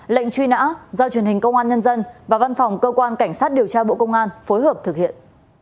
lệnh truy nã do truyền hình công an nhân dân và văn phòng cơ quan cảnh sát điều tra bộ công an phối hợp thực hiện